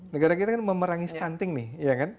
negara kita kan memerangi stunting nih iya kan